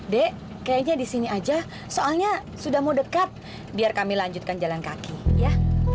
dek kayaknya di sini aja soalnya sudah mau dekat biar kami lanjutkan jalan kaki ya